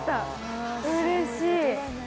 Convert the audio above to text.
うれしい。